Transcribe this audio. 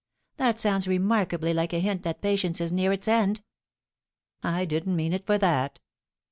"That sounds remarkably like a hint that patience is near its end." "I didn't mean it for that."